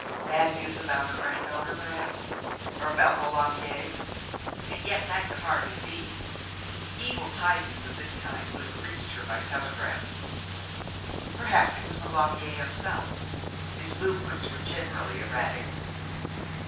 Bad news about her granddaughter, perhaps, or about Maulevrier. And yet that could hardly be. Evil tidings of that kind would have reached her by telegram. Perhaps it was Maulevrier himself. His movements were generally erratic.